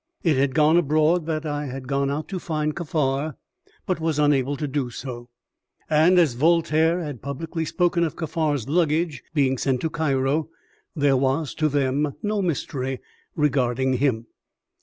It had gone abroad that I had gone out to find Kaffar, but was unable to do so; and as Voltaire had publicly spoken of Kaffar's luggage being sent to Cairo, there was, to them, no mystery regarding him.